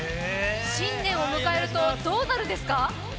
新年を迎えるとどうなるんですか？